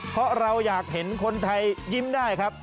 เพราะเราอยากเห็นคนไทยยิ้มได้ครับ